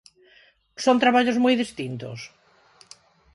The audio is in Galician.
Son traballos moi distintos?